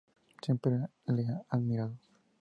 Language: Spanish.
Siempre le he admirado.